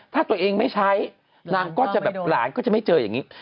ถ้าตัวเองไม่ใช้หลานก็จะไม่เจออย่างนี้